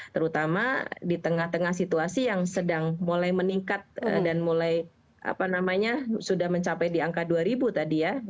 terutama di tengah tengah situasi yang sedang mulai meningkat dan mulai apa namanya sudah mencapai di angka dua ribu tadi ya